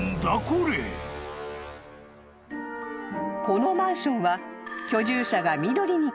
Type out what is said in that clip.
［このマンションは居住者が］